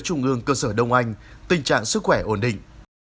trung ương cơ sở đông anh tình trạng sức khỏe ổn định